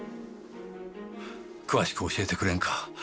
詳しく教えてくれんか？